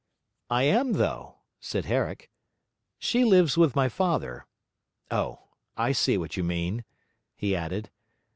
'I am, though,' said Herrick; 'she lives with my father. Oh, I see what you mean,' he added.